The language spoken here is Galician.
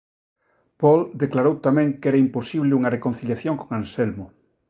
Paul declarou tamén que era imposible unha reconciliación con Anselmo.